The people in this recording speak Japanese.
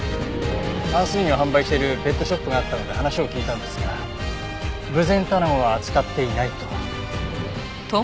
淡水魚を販売しているペットショップがあったので話を聞いたんですがブゼンタナゴは扱っていないと。